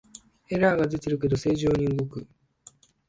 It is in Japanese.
エラーが出てるけど正常に動く